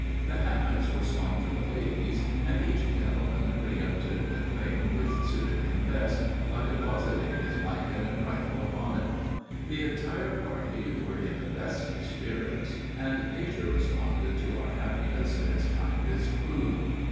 The hammocks were swung for the ladies, and each gentleman "preëmpted" the claim that suited him best, by depositing his blanket and rifle upon it. The entire party were in the best of spirits, and nature responded to our happiness in its kindest mood.